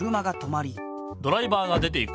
ドライバーが出ていく。